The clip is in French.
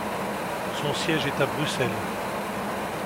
Son siège est à Bruxelles.